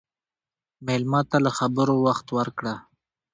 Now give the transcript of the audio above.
مېلمه ته له خبرو وخت ورکړه.